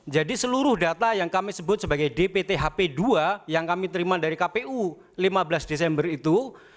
jadi seluruh data yang kami sebut sebagai dpthp dua yang kami terima dari kpu lima belas desember itu